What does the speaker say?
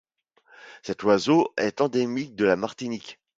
Cet oiseau est endémique de la Martinique.